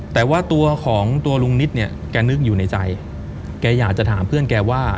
แต่ว่าตัวของตัวลุงนิดเนี่ยแกนึกอยู่ในใจแกอยากจะถามเพื่อนแกว่า